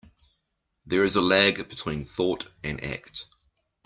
There is a lag between thought and act.